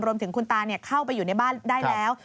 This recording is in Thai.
รวมถึงคุณตาเข้าไปอยู่ในบ้านได้แล้ว